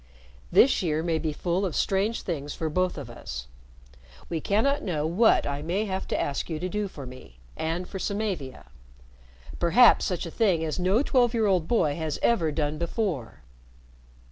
This year may be full of strange things for both of us. We cannot know what I may have to ask you to do for me and for Samavia. Perhaps such a thing as no twelve year old boy has ever done before."